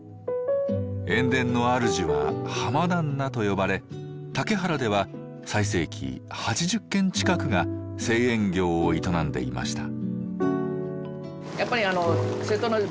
塩田のあるじは浜旦那と呼ばれ竹原では最盛期８０軒近くが製塩業を営んでいました。